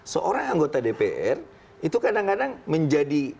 seorang anggota dpr itu kadang kadang menjadi